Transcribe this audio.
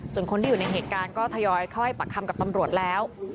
ส่วนคนที่อยู่ในเหตุการณ์ก็ทยอยเข้าให้ปากคำกับตำรวจแล้ว